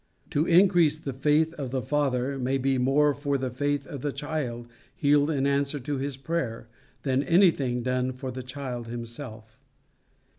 To increase the faith of the father may be more for the faith of the child, healed in answer to his prayer, than anything done for the child himself.